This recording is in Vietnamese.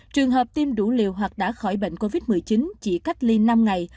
trường hợp tiêm đủ liều hoặc đã khỏi bệnh covid một mươi chín chỉ cách ly năm ngày